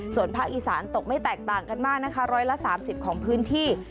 ส่วนภาคอีสานตกไม่แตกต่างกันมากนะคะ๑๓๐ของพื้นที่